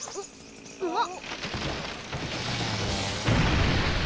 うわっ！